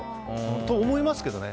そう思いますけどね。